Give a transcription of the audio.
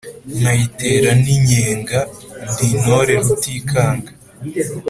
Nkayitera ntikenga, ndi intore Rutikanga.